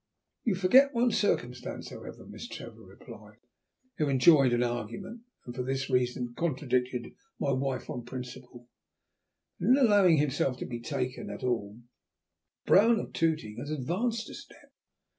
"You forget one circumstance, however," Miss Trevor replied, who enjoyed an argument, and for this reason contradicted my wife on principle, "that in allowing himself to be taken at all, Brown of Tooting has advanced a step.